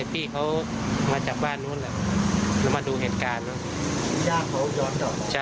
พี่เขามาจากบ้านนู้นแหละแล้วมาดูเหตุการณ์